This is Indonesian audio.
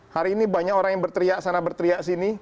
hari ini banyak orang yang berteriak sana berteriak sini